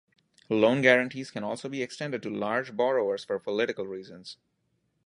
Loan guarantees can also be extended to large borrowers for political reasons.